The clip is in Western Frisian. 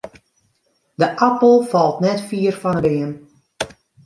De apel falt net fier fan 'e beam.